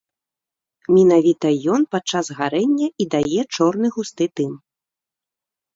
Менавіта ён падчас гарэння і дае чорны густы дым.